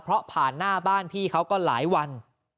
เพราะผ่านหน้าบ้านพี่เขาก็หลายวัน